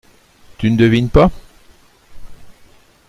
Tu ne devines pas ?